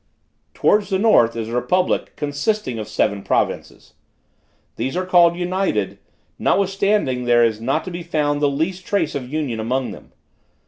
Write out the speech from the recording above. "Towards the north, is a republic, consisting of seven provinces. These are called 'united,' notwithstanding there is not to be found the least trace of union among them.